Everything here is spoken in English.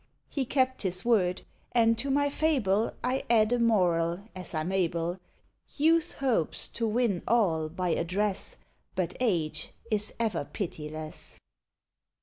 He kept his word; and to my fable I add a moral, as I'm able: Youth hopes to win all by address; But age is ever pitiless.